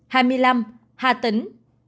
hai mươi năm hà tĩnh